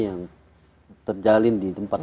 yang terjalin di tempat